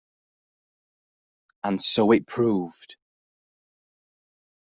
And so it proved.